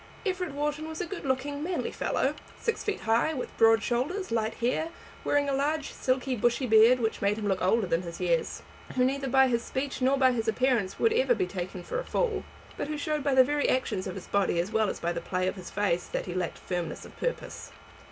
Everett Wharton was a good looking, manly fellow, six feet high, with broad shoulders, with light hair, wearing a large silky bushy beard, which made him look older than his years, who neither by his speech nor by his appearance would ever be taken for a fool, but who showed by the very actions of his body as well as by the play of his face, that he lacked firmness of purpose.